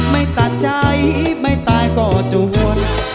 ไม่ตัดใจไม่ตายก็จวน